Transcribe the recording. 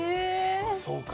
そうか。